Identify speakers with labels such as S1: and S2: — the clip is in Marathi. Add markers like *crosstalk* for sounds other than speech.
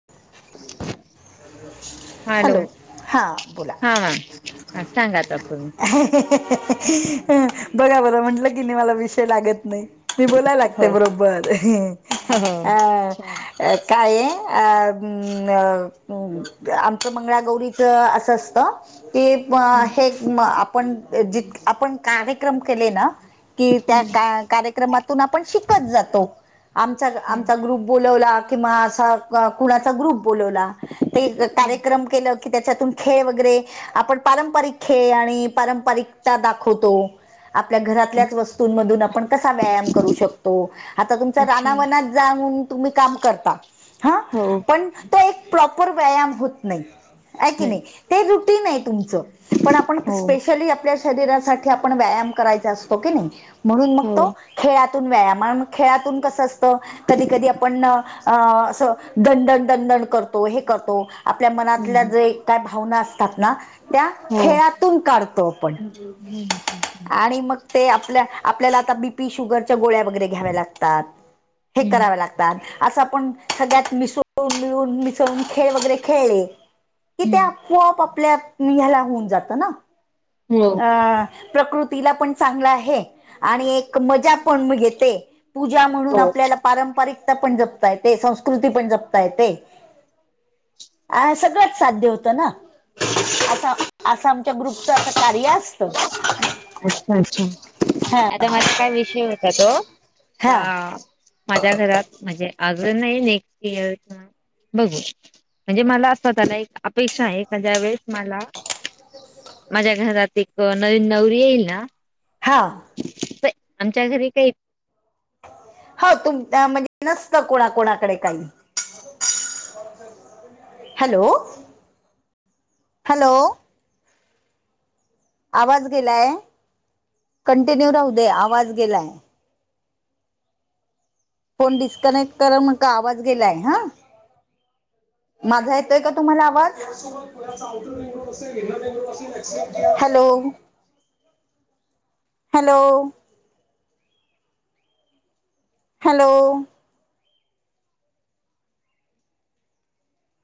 S1: *unintelligible* *inaudible*
S2: हॅलो, हा बोला.
S1: हा मॅम हा सांगा आता पूर्ण
S2: बघा बरं, म्हंटलं की नाही, मला विषय लागत नाही. मी बोलाय
S1: हो
S2: लागते बरोबर,
S1: हो
S2: अ काय? अ *unintelligible* आमचं मंगळागौरीच असं असतं. कि
S1: हम्म
S2: हे आपण ज आपण कार्यक्रम केले ना कि त्या कार्यक्रमातून आपण शिकत जातो, आमचा
S1: हम्म
S2: आमचा ग्रुप बोलवला किं अस कुणाचा ग्रुप बोलवला,
S1: हम्म
S2: कार्यक्रम केलं की त्याच्यातून खेळ वगैरे आपण पारंपरिक खेळ, आणि पारंपरिकता दाखवतो. आपल्या घरातल्याच वस्तूमधून आपण कसा व्यायाम करू शकतो, आता तुमचा
S1: अच्छा
S2: रानावना तुम्ही काम करता,, ह,
S1: हो
S2: पण ते एकऽ प्रॉपर व्यायाम होत नाही, आहे की नाही, ते रुटीन आहे तुमचं,, पण आपण
S1: हो
S2: स्पेशली आपल्या शरीरासाठी आपण व्यायाम करायचा असतो की नाही,, म्हणून मग
S1: हो
S2: तोऽ खेळातून व्यायाम, खेळातून कसं असतं कधी कधी आपण अ असंऽ दंडण दंडण करतो, हे करतो, आपल्या मनातल्या
S1: हम्म
S2: जे काय भावना असतात ना, त्या,
S1: हो
S2: खेळातून काढतो आपण,,
S1: हम्म हम्म
S2: आणि मगऽ ते आपल्या, आपल्याला आता बीपी शुगरच्या गोळ्या वगैरे घ्याव्या लागतात, हे कराव्या लागतात,, असं आपण सगळ्यात मिसळून, मिळून मिसळून खेळ वगैरे खेळले,, कि ते
S1: हम्म
S2: आपोआप आपल्या, ह्याला होऊन जातं ना.
S1: हो,
S2: अ प्रकृतीला पण चांगलं आहे, आणि एक मजा पण मग घेते,, पूजा म्हणून
S1: हो
S2: आपल्याला पारंपरिकता पण जपता येते संस्कृती पण जपता येते. सगळंच साध्य होतं ना, अस असं आमच्या ग्रुपचऽ सारयाऽ
S1: अच्छा अच्छा,,
S2: हा
S1: आता माझा काय विषय होता तोऽ
S2: हा
S1: का माझ्या घरात, म्हणजे अजून नाही, नेक्स्ट इयरऽ बघू,, म्हणजे मला असवतःला एक अपेक्षा आहे ज्या वेळेस मलाऽ माझ्या घरात एक नवीन नवरी येईल ना,,
S2: हां,
S1: तर आमच्या घरी काहीऽ
S2: हो, तुम म्हणजे नसत कोणाकणाकडे काही,,, हॅलो, हॅलो,, आवाज गेलाय कंटिन्यू राहू दे आवाज गेलाय. फोन डिस्कनेक्ट करा मग का आवाज गेलाय हा. माझा येतोय का तुम्हाला आवाज. हॅलो! हॅलो! हॅलो!